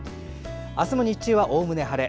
明日も日中はおおむね晴れ。